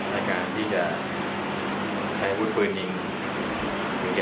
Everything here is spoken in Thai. ในการที่จะใช้วุฒิปืนยิง